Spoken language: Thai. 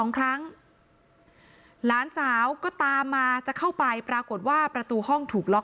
ครั้งหลานสาวก็ตามมาจะเข้าไปปรากฏว่าประตูห้องถูกล็อก